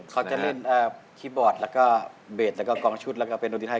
เขาจะเล่นคีย์บอร์ดแล้วก็เบสแล้วก็กองชุดแล้วก็เป็นคนที่ไทย